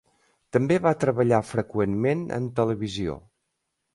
També va treballar freqüentment en televisió.